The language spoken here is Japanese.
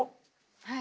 はい。